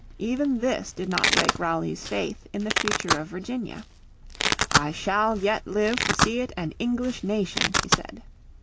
Even this did not break Raleigh's faith in the future of Virginia. "I shall yet live to see it an English nation," he said.